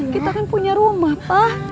kita kan punya rumah pak